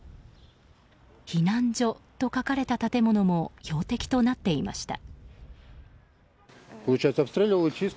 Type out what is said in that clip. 避難所と書かれた建物も標的となっていました。